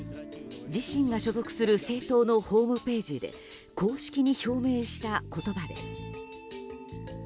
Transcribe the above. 自身が所属する政党のホームページで公式に表明した言葉です。